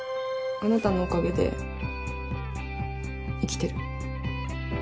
あなたのおかげで生きてる。